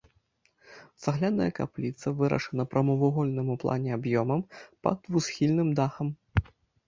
Цагляная капліца вырашана прамавугольным у плане аб'ёмам пад двухсхільным дахам.